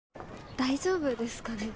大丈夫ですかね？